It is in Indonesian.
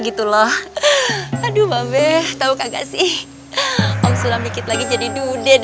gitu loh aduh mabeh tahu kagak sih om sulam dikit lagi jadi dudek